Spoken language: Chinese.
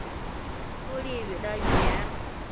孤立语的语言。